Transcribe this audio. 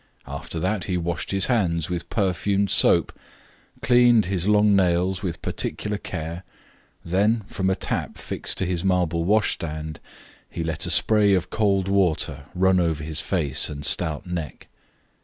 After that he washed his hands with perfumed soap, cleaned his long nails with particular care, then, from a tap fixed to his marble washstand, he let a spray of cold water run over his face and stout neck.